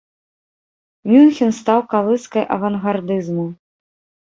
Мюнхен стаў калыскай авангардызму.